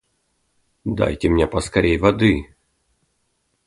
Дайте мне поскорей воды!